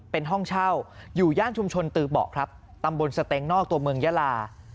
เป็นห้องเช่าอยู่ย่านชุมชนตือเบาะครับตำบลสเต็งนอกตัวเมืองยาลา